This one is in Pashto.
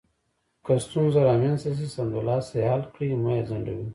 که ستونزه رامنځته شي، سمدلاسه یې حل کړئ، مه یې ځنډوئ.